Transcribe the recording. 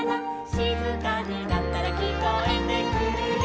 「しずかになったらきこえてくるよ」